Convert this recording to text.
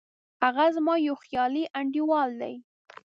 هغه زما یو خیالي انډیوال دی